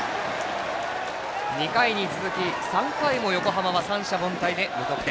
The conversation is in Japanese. ２回に続き、３回も横浜は三者凡退で無得点。